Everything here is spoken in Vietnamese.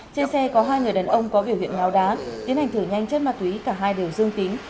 trên xe có hai người đàn ông có biểu hiện ngáo đá tiến hành thử nhanh chất ma túy cả hai đều dương tính